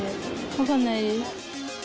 分かんないです。